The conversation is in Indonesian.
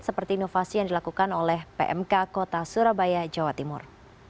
seperti inovasi yang dilakukan oleh pmk kota surabaya jawa timur